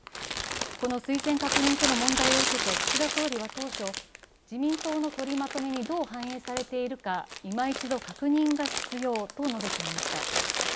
この推薦確認書の問題を受けて岸田総理は当初、自民党の取りまとめにどう反映されているかいま一度確認が必要と述べていました。